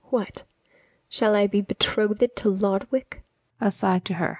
What, shall I be betroth'd to Lodowick?